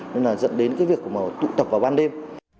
nên là dẫn đến việc tụ tập vào ban đêm